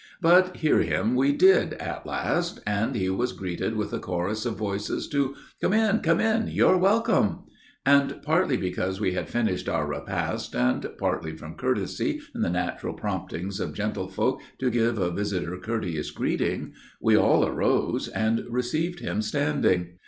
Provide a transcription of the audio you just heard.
But hear him we did at last, and he was greeted with a chorus of voices to "Come in! Come in! You're welcome!" And partly because we had finished our repast, and partly from courtesy and the natural promptings of gentlefolk to give a visitor courteous greeting, we all arose and received him standing.